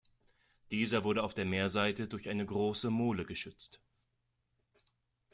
Dieser wurde auf der Meerseite durch eine große Mole geschützt.